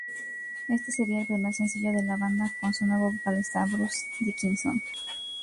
Este sería el primer sencillo de la banda con su nuevo vocalista, Bruce Dickinson.